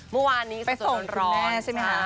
เมื่อวานนี้สะสมตนร้อนใช่ไหมคะ